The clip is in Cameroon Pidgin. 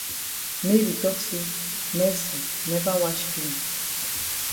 Mary tok say Mercy never wash clean.